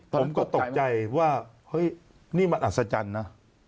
ผมก็ตกใจว่าเฮ้ยนี่มันอัศจรรย์นะ